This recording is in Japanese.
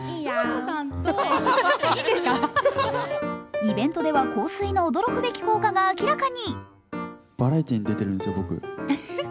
イベントでは香水の驚くべき効果が明らかに。